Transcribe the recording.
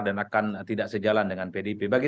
dan akan tidak sejalan dengan pdip bagi